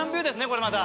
これまた。